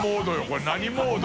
これ何モード？